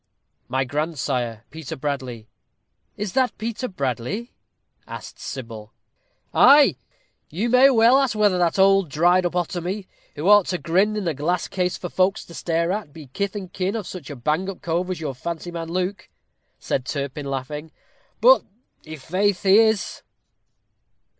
"My grandsire, Peter Bradley." "Is that Peter Bradley?" asked Sybil. "Ay, you may well ask whether that old dried up otomy, who ought to grin in a glass case for folks to stare at, be kith and kin of such a bang up cove as your fancy man, Luke," said Turpin, laughing "but i' faith he is."